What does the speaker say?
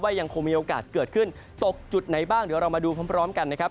ยังคงมีโอกาสเกิดขึ้นตกจุดไหนบ้างเดี๋ยวเรามาดูพร้อมกันนะครับ